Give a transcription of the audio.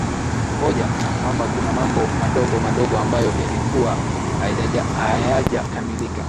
oja na kwamba kuna mambo madogo madogo ambayo yalikuwa hayajakamilika